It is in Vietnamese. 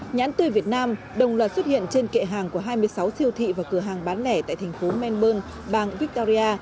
nhãn tươi việt nam đồng loạt xuất hiện trên kệ hàng của hai mươi sáu siêu thị và cửa hàng bán lẻ tại thành phố men bang victoria